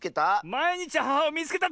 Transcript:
「まいにちアハハをみいつけた！」